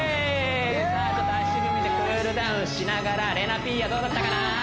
足踏みでクールダウンしながら玲奈ピーヤどうだったかな？